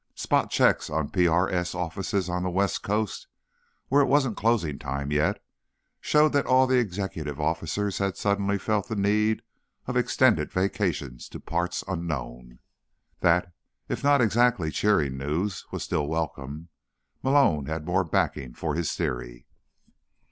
Spot checks on PRS offices on the West Coast, where it wasn't closing time yet, showed that all the executive officers had suddenly felt the need of extended vacations to parts unknown. That, if not exactly cheering news, was still welcome; Malone had more backing for his theory.